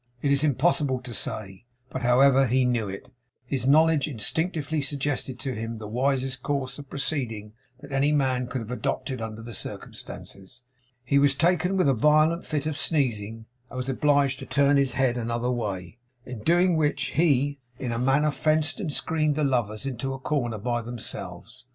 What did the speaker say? It is impossible to say; but however he knew it, his knowledge instinctively suggested to him the wisest course of proceeding that any man could have adopted under the circumstances. He was taken with a violent fit of sneezing, and was obliged to turn his head another way. In doing which, he, in a manner fenced and screened the lovers into a corner by themselves.